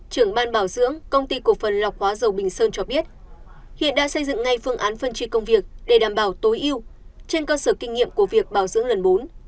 trưởng ban bảo dưỡng công ty cổ phần lọc hóa dầu bình sơn cho biết hiện đã xây dựng ngay phương án phân tri công việc để đảm bảo tối ưu trên cơ sở kinh nghiệm của việc bảo dưỡng lần bốn